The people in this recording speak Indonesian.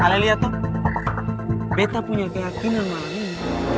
haliliyah tuh beta punya keyakinan malam ini